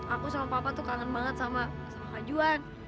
aku sama papa tuh kangen banget sama kak juan